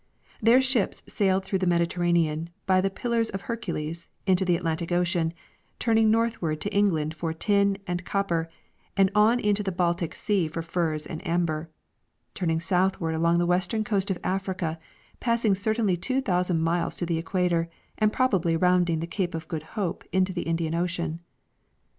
Their ships sailed through the Mediterranean, by the Pillars of Hercules, into the Atlantic ocean, turning northward to England for tin and coj)per and on into the Baltic sea for furs and amber ; turning southward along the western coast of Africa, passing certainly two thousand miles to the equator and probably rounding the cape of Good Hope into the Indian ocean.